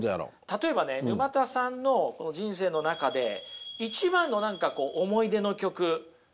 例えばね沼田さんのこの人生の中で一番の何か思い出の曲あります？